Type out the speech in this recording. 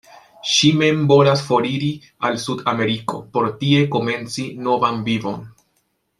Ŝi men volas foriri al Sud-Ameriko por tie komenci novan vivon.